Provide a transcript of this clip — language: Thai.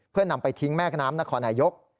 เพื่อนำไปทิ้งแม่น้ำนครนายก